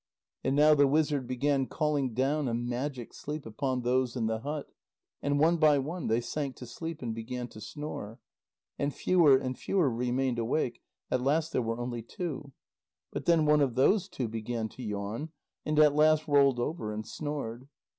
And now the wizard began calling down a magic sleep upon those in the hut, and one by one they sank to sleep and began to snore. And fewer and fewer remained awake; at last there were only two. But then one of those two began to yawn, and at last rolled over and snored.